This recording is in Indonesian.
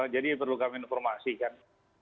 jadi perlu kami informasikan